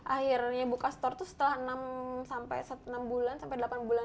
akhirnya buka store tuh setelah enam sampai enam bulan sampai delapan bulan